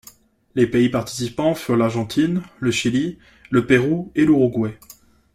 Les pays participants furent l'Argentine, le Chili, le Pérou et l'Uruguay.